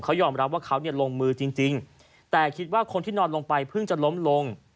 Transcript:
เขายอมรับว่าเขาเนี่ยลงมือจริงแต่คิดว่าคนที่นอนลงไปเพิ่งจะล้มลง